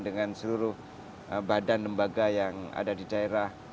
dengan seluruh badan lembaga yang ada di daerah